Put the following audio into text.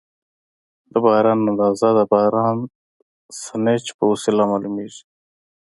د باران اندازه د بارانسنج په وسیله معلومېږي.